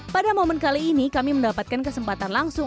pada momen kali ini kami mendapatkan kesempatan langsung